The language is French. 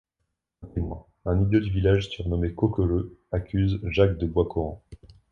Un témoin, un idiot du village surnommé Cocoleu, accuse Jacques de Boiscoran.